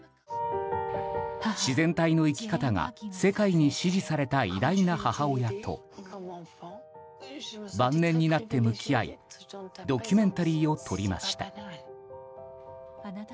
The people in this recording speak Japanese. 自然体の生き方が世界に支持された偉大な母親と晩年になって向き合いドキュメンタリーを撮りました。